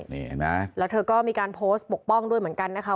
นี่เห็นไหมแล้วเธอก็มีการโพสต์ปกป้องด้วยเหมือนกันนะคะ